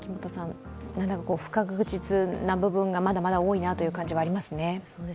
不確実な部分がまだまだ多いなという感じはしますね。